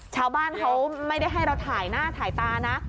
ชาวบ้านเขาไม่ได้ให้เราถ่ายหน้าถ่ายตานะ